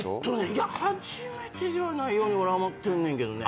いや初めてではないように俺は思ってんねんけどね。